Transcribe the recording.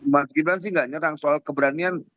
mas gibran sih nggak nyerang soal keberanian